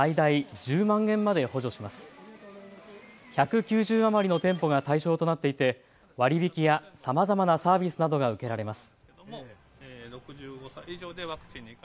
１９０余りの店舗が対象となっていて割り引きや、さまざまなサービスなどが受けられます。